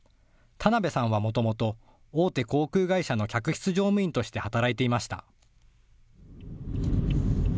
田鍋さんはもともと大手航空会社の客室乗務員として働いていました。